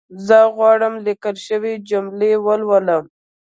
زه غواړم ليکل شوې جملي ولولم